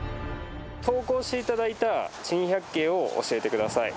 投稿して頂いた珍百景を教えてください。